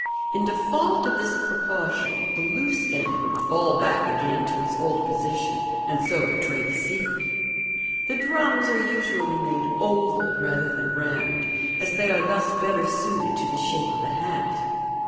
In default of this precaution, the loose end would fall back again to its old position, and so betray the secret. The drums are usually made oval, rather than round, as they are thus better suited to the shape of a hat.